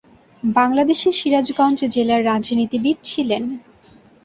বাংলাদেশের সিরাজগঞ্জ জেলার রাজনীতিবিদ ছিলেন।